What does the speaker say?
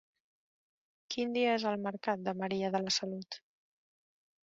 Quin dia és el mercat de Maria de la Salut?